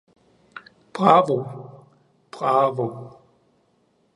"Bravo — Bravo."